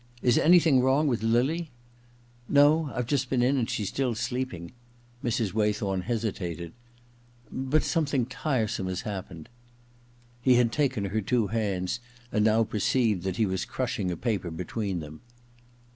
• Is anything wrong with Lily ?* ^No ; IVe just been in and she's still sleeping/ Mrs. Waythorn hesitated, *But something tiresome has happened.' He had taken her two hands, and now perceived that he was crushing a paper between them.